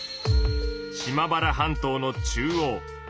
島原半島の中央南北